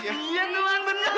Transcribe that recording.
iya tuhan bener